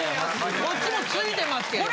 こっちもついてますけどね。